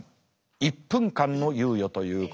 １分間の猶予ということになります。